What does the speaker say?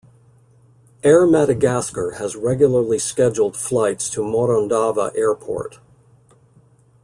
Air Madagascar has regular scheduled flights to Morondava Airport.